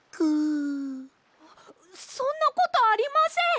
そんなことありません！